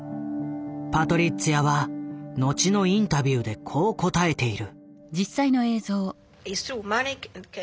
パトリッツィアは後のインタビューでこう答えている。